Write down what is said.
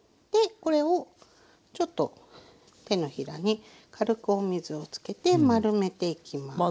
これをちょっと手のひらに軽くお水をつけて丸めていきます。